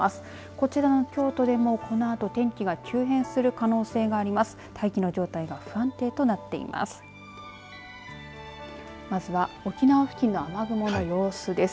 こちらの京都でも、このあと天気が急変する可能性があります。